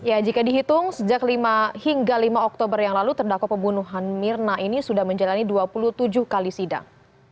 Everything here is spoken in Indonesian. ya jika dihitung sejak lima oktober yang lalu terdakwa pembunuhan mirna ini sudah menjalani dua puluh tujuh kali sidang